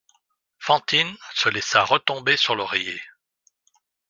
Fantine se laissa retomber sur l'oreiller.